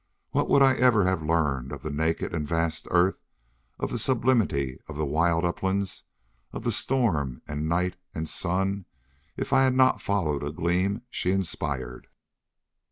What would I ever have learned of the naked and vast earth, of the sublimity of the wild uplands, of the storm and night and sun, if I had not followed a gleam she inspired?